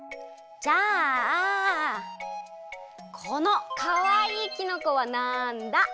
じゃあこのかわいいきのこはなんだ？